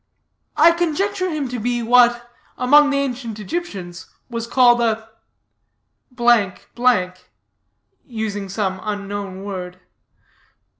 "I conjecture him to be what, among the ancient Egyptians, was called a " using some unknown word.